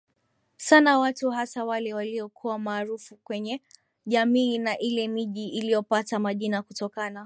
sana watu hasa wale waliokuwa maarufu kwenye jamii Na ile miji iliyopata majina kutokana